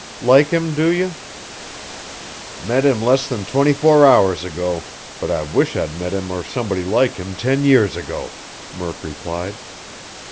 "Like him, do you?" "Met him less than twenty four hours ago, but I wish I'd met him or somebody like him ten years ago," Murk replied.